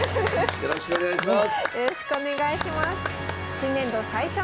よろしくお願いします。